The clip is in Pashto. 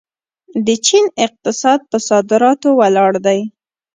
د چین اقتصاد په صادراتو ولاړ دی.